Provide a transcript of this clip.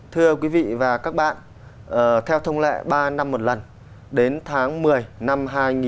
thưa quý vị và các bạn theo thông lệ ba năm một lần đến tháng một mươi năm hai nghìn một mươi chín